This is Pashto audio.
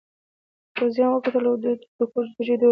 پوځيانو وکتل او دوو ډکو بوجيو دوړې پورته کړې.